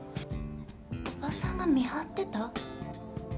おばさんが見張ってた？